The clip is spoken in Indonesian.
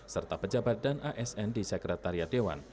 serta pejabat dan asn di sekretariat dewan